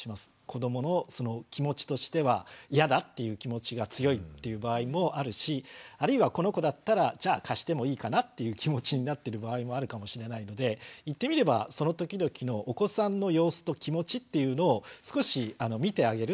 子どもの気持ちとしてはイヤだっていう気持ちが強いっていう場合もあるしあるいはこの子だったらじゃあ貸してもいいかなっていう気持ちになってる場合もあるかもしれないので言ってみればその時々のお子さんの様子と気持ちっていうのを少し見てあげるっていうのを